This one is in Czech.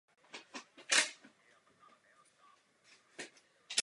Působil jako advokát a politik.